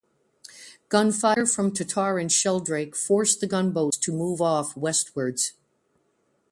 Gunfire from "Tartar" and "Sheldrake" forced the gunboats to move off westwards.